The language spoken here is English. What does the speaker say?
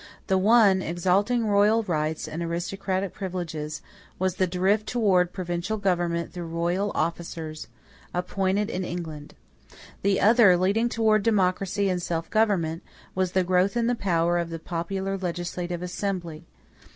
The one, exalting royal rights and aristocratic privileges, was the drift toward provincial government through royal officers appointed in England. The other, leading toward democracy and self government, was the growth in the power of the popular legislative assembly.